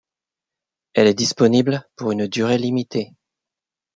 Elle est disponible pour une durée limitée.